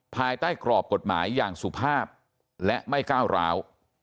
ภายใต้กรอบกฎหมายอย่างสุภาพและไม่ก้าวร้าว